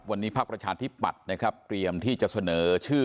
วันนี้พักประชาธิปัตย์นะครับเตรียมที่จะเสนอชื่อ